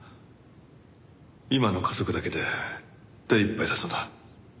今の家族だけで手いっぱいだそうだ。